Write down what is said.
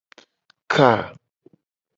Ka.